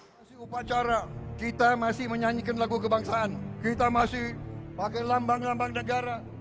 masih upacara kita masih menyanyikan lagu kebangsaan kita masih pakai lambang lambang negara